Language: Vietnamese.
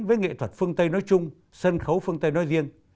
với nghệ thuật phương tây nói chung sân khấu phương tây nói riêng